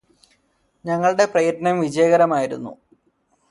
ഞങ്ങളുടെ പ്രയത്നം വിജയകരമായിരുന്നു